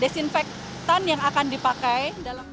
desinfeksi yang akan dipakai